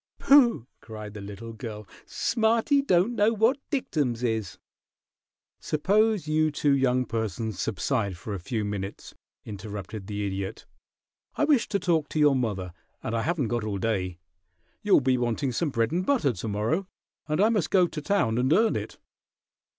"Pooh!" cried the little girl. "Smarty don't know what dictums is!" "Suppose you two young persons subside for a few minutes!" interrupted the Idiot. "I wish to talk to your mother, and I haven't got all day. You'll be wanting some bread and butter to morrow, and I must go to town and earn it."